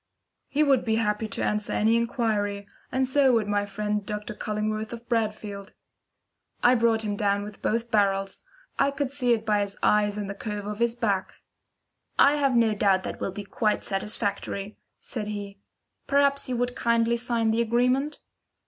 "He would be happy to answer any inquiry, and so would my friend Dr. Cullingworth of Bradfield." I brought him down with both barrels. I could see it by his eyes and the curve of his back. "I have no doubt that that will be quite satisfactory," said he. "Perhaps you would kindly sign the agreement."